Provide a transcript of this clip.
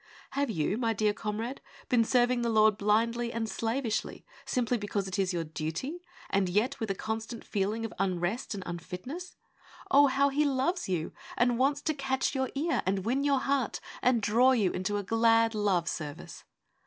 Have you, my dear comrade, been serv ing the Lord blindly and slavishly, simply because it is your duty, and yet with a HOLINESS : A LOVE SERVICE 35 constant feeling of unrest and unfitness ? Oh, how He loves you, and wants to catch your ear, and win your heart, and draw you into a glad love service